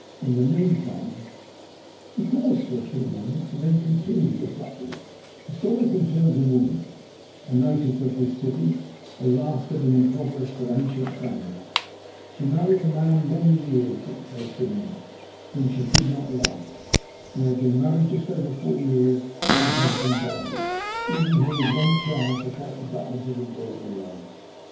In the meantime " He paused for a few moments and then continued abruptly "The story concerns a woman, a native of this city; the last of an impoverished, but ancient family. She married a man many years her senior, whom she did not love. When they had been married just over four years her husband died, leaving her with one child to fight the battles of the world alone.